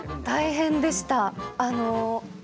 大変でした。